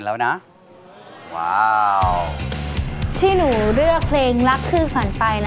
ถ้าพร้อมแล้วขอเชิญพบกับคุณลูกบาท